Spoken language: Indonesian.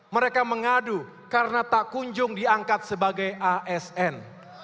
mereka mengadu karena tak kunjung diangkat sebagai asn